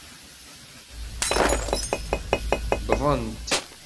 Wwḍent.